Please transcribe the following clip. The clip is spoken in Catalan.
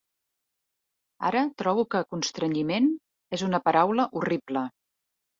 Ara trobo que “constrenyiment” és una paraula horrible.